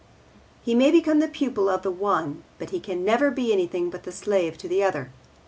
He may become the pupil of the one, but he can never be anything but the slave of the other.